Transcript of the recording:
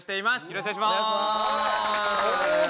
よろしくお願いします京大？